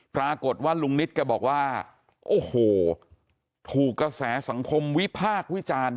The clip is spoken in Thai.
ปรากฏว่าลุงนิตแกบอกว่าโอ้โหถูกกระแสสังคมวิพากษ์วิจารณ์